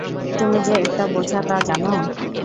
তুমি যে একটা বোঝা, তা জানো?